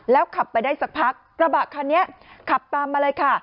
ขับไปได้สักพักกระบะคันนี้ขับตามมาเลยค่ะ